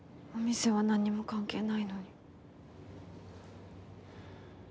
お店はなんにも関係ないのに。